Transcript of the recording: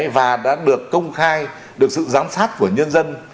và đã được công khai được sự giám sát của nhân dân